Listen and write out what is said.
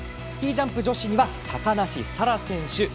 スキージャンプ女子には高梨沙羅選手。